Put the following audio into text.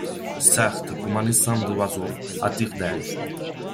Certes, comme un essaim d'oiseaux, à tire-d'aile